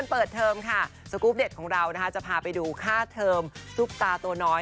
เปิดเทริมสกรุพเด็ดของเราจะพาไปดูค่าเทรมสูบตาตัวน้อย